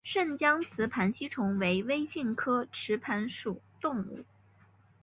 湛江雌盘吸虫为微茎科雌盘属的动物。